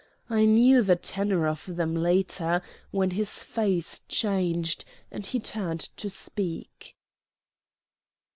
I knew the tenor of them later when his face changed, and he turned to speak.